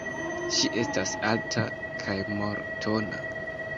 Ŝi estas alta kaj mol-tona.